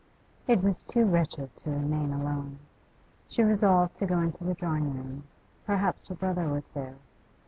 It was too wretched to remain alone; she resolved to go into the drawing room; perhaps her brother was there.